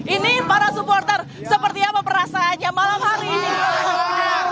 ini para supporter seperti apa perasaannya malam hari ini